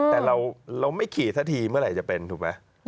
แต่เราไม่ขี่สักทีเมื่อไหร่จะเป็นถูกไหม